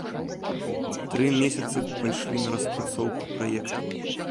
Тры месяцы пайшлі на распрацоўку праекта.